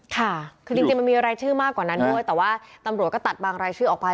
ค่ะคือจริงมันมีรายชื่อมากกว่านั้นด้วยแต่ว่าตำรวจก็ตัดบางรายชื่อออกไป